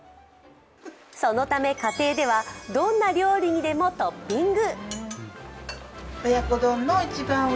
そのため家庭では、どんな料理にでもトッピング。